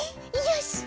よし。